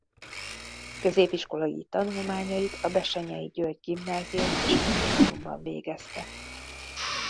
Középiskolai tanulmányait a Bessenyei György Gimnázium és Kollégiumban végezte.